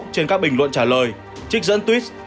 trên các bình luận trả lời trích dẫn tweet